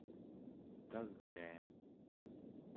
kagia